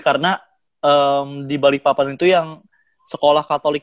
karena di balikpapan itu yang sekolah kata kata